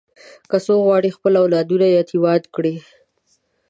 که څوک غواړي خپل اولادونه یتیمان کړي.